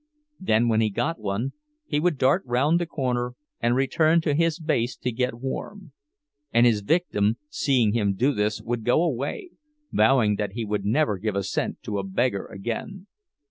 Then when he got one, he would dart round the corner and return to his base to get warm; and his victim, seeing him do this, would go away, vowing that he would never give a cent to a beggar again.